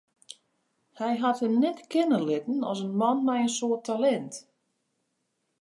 Hy hat him kenne litten as in man mei in soad talint.